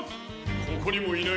ここにもいない！